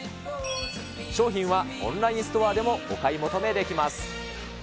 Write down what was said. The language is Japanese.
商品はオンラインストアでもお買い求めできます。